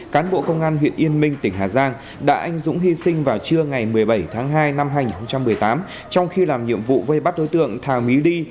trưa ngày một mươi bảy tháng hai năm hai nghìn một mươi tám trong khi làm nhiệm vụ vây bắt đối tượng thảo mỹ đi